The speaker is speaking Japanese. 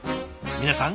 皆さん